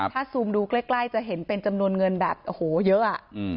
ถ้าซูมดูใกล้จะเห็นเป็นจำนวนเงินแบบโอ้โหเยอะ